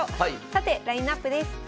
さてラインナップです。